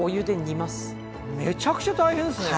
めちゃくちゃ大変ですね。